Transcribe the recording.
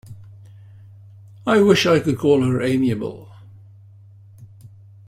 I wish I could call her amiable.